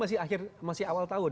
ini masih awal tahun